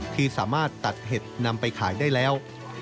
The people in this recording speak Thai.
ที่สามารถตัดเห็ดนำไปขายได้แล้ว